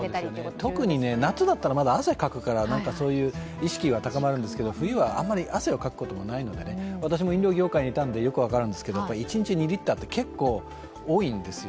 特に夏だったらまだ汗をかくからそういう意識が高まるんですけど冬はあまり汗をかくこともないので私も飲料業界にいたのでよく分かるんですけど一日２リットルって結構多いんですよ。